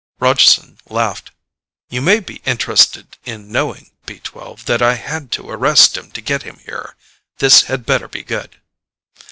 Rogeson laughed. "You may be interested in knowing, B 12, that I had to arrest him to get him here. This had better be good."